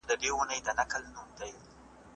علمي پوهاوی د ټولنې شعور لوړوي.